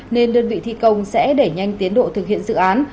nên đơn vị thi công sẽ đẩy nhanh tiến độ thực hiện dự án